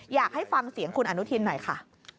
อยากให้ฟังเสียงคุณอนุทินหน่อยค่ะ